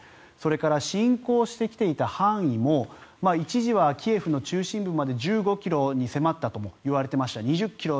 それから侵攻してきていた範囲も一時はキエフの中心部まで１５ｋｍに迫ったともいわれていました。